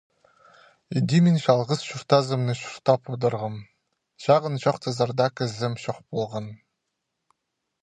Іди мин чалғыс чуртазымны чуртап одырғам, чағын чоохтазар даа кізім чох полған.